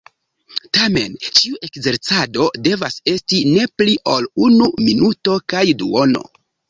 Tamen ĉiu ekzercado devas esti ne pli ol unu minuto kaj duono.